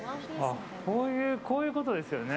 こういうことですよね。